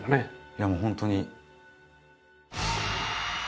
いやもう本当に。